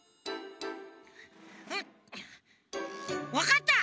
んわかった！